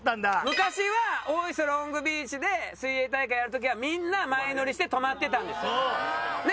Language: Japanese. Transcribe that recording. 昔は大磯ロングビーチで水泳大会やる時はみんな前乗りして泊まってたんですよ。ね？